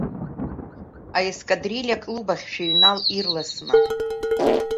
Аескадрилиа аклуб ахь шәыҩнал ирласны!